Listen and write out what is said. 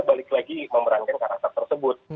balik lagi memerankan karakter tersebut